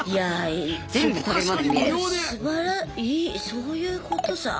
そういうことさ。